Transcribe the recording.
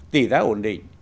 tỷ giá ổn định